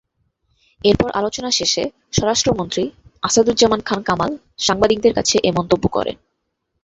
এরপর আলোচনা শেষে স্বরাষ্ট্রমন্ত্রী আসাদুজ্জামান খান কামাল সাংবাদিকদের কাছে এ মন্তব্য করেন।